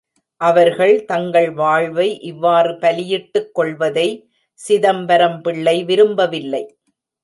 அவர்கள், தங்கள் வாழ்வை இவ்வாறு பலியிட்டுக் கொள்வதை சிதம்பரம் பிள்ளை விரும்பவில்லை.